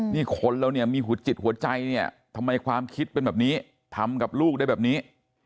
นี่คนเราเนี่ยมีหัวจิตหัวใจเนี่ยทำไมความคิดเป็นแบบนี้ทำกับลูกได้แบบนี้